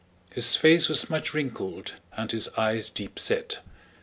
His face was much wrinkled and his eyes deep set.